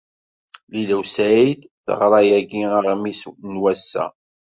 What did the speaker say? Lila u Saɛid teɣra yagi aɣmis n wass-a.